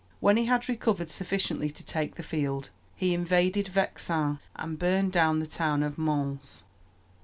When he had recovered sufficiently to take the field, he invaded Vexin and burned the town of Mantes.